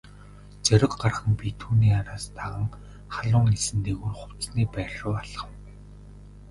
Зориг гарган би түүний араас даган халуун элсэн дээгүүр хувцасны байр руу алхав.